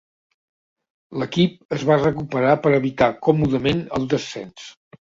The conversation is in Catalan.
L'equip es va recuperar per evitar còmodament el descens.